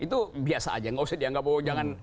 tidak usah dianggap jangan